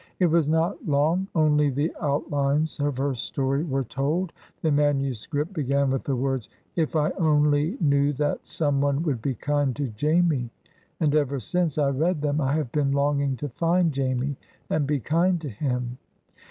"It was not long; only the outlines of her story were told. The manuscript began with the words, 'If I only knew that some one would be kind to Jamie,' and ever since I read them I have been longing to find Jamie and be kind to him."